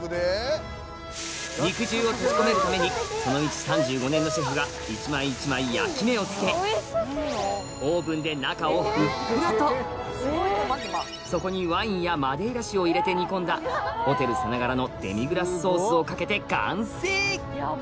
肉汁を閉じ込めるためにこの道３５年のシェフが一枚一枚焼き目をつけそこにワインやマデイラ酒を入れて煮込んだホテルさながらのデミグラスソースをかけて完成